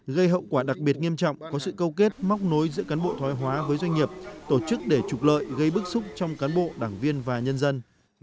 gây hậu quả đặc biệt nghiêm trọng có sự câu kết móc nối giữa cán bộ thoái hóa với doanh nghiệp tổ chức để trục lợi gây bức xúc trong cán bộ đảng viên và nhân dân